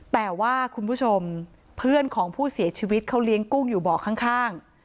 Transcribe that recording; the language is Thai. แต่ว่าคุณผู้ชมเพื่อนของผู้เสียชีวิตเขาเลี้ยงกุ้งอยู่เบาะข้าง